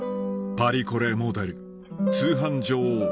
パリコレモデル通販女王